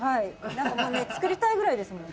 なんかもうね作りたいぐらいですもん。